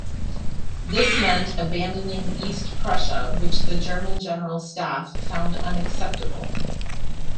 This meant abandoning East Prussia, which the German General Staff found unacceptable.